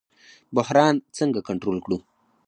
بحران څنګه کنټرول کړو؟